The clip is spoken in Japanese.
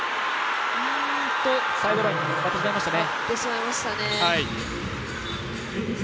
サイドライン割ってしまいましたね。